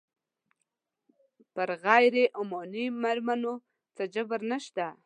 پر غیر عماني مېرمنو څه جبر نه شته.